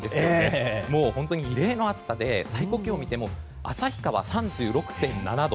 本当に異例の暑さで最高気温を見ても旭川、３６．７度。